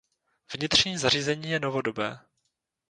Vnitřní zařízení je novodobé.